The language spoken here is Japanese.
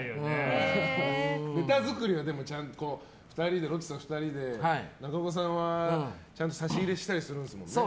ネタ作りはちゃんとロッチさん２人で中岡さんはちゃんと差し入れしたりするんですもんね。